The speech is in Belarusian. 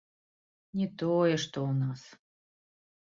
Не тое, што ў нас!